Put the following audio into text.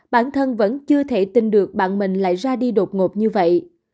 bản thân vẫn chưa thể tin được bạn mình lại ra đi đột ngột như vậy